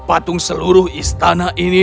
patung seluruh istana ini